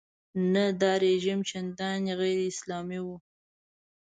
نه دا رژیم چندانې غیراسلامي و.